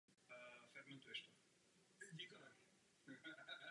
Mimo Norsko hrál na klubové úrovni ve Francii a Anglii.